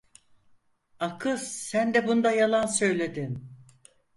A kız sen de bunda yalan söyledin.